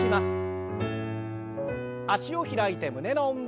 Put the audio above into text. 脚を開いて胸の運動。